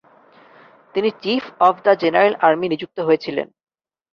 তিনি chief of the general army নিযুক্ত হয়েছিলেন।